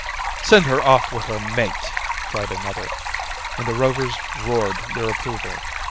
"Send her off with her mate!" cried another, and the Rovers roared their approval.